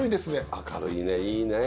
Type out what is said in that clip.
明るいねいいね。